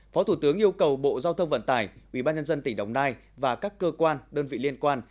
phó thủ tướng yêu cầu bộ giao thông vận tải ubnd tỉnh đồng nai và các cơ quan đơn vị liên quan